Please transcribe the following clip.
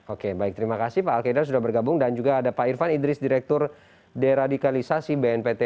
oke baik terima kasih pak al qaedar sudah bergabung dan juga ada pak irfan idris direktur deradikalisasi bnpt